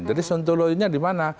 jadi suntuloyonya di mana